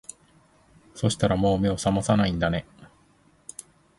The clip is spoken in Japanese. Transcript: そしたらもう目を覚まさないんだね